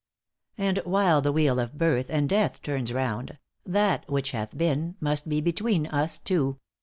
* And while the wheel of birth and death turns round That which hath been must be between us two.